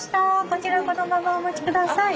こちらこのままお持ち下さい。